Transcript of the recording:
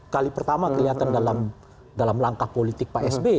kali pertama kelihatan dalam langkah politik pak s b